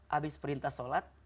habis perintah sholat